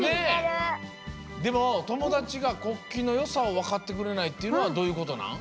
でもともだちが国旗のよさをわかってくれないっていうのはどういうことなん？